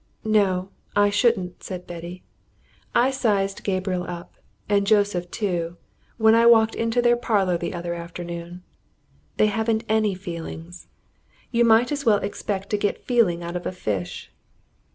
"No, I shouldn't," said Betty. "I sized Gabriel up and Joseph, too when I walked into their parlour the other afternoon. They haven't any feelings you might as well expect to get feeling out of a fish."